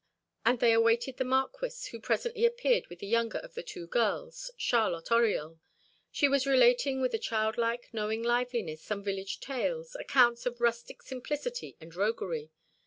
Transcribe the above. And they awaited the Marquis, who presently appeared with the younger of the two girls, Charlotte Oriol. She was relating with a childlike, knowing liveliness some village tales, accounts of rustic simplicity and roguery.